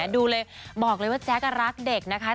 ดูเลยบอกเลยว่าแจ๊กรักเด็กนะคะ